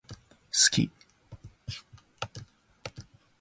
好き